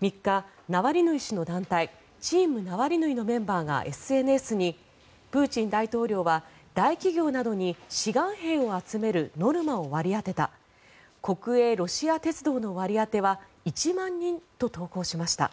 ３日、ナワリヌイ氏の団体チーム・ナワリヌイのメンバーがＳＮＳにプーチン大統領は大企業などに志願兵を集めるノルマを割り当てた国営ロシア鉄道の割り当ては１万人と投稿しました。